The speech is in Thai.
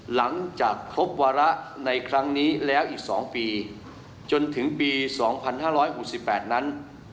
หลังจากครบวาระในครั้งนี้แล้วอีก๒ปีจนถึงปี๒๕๖๘นั้น